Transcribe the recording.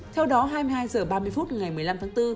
theo đó hai mươi hai h ba mươi phút ngày một mươi năm tháng bốn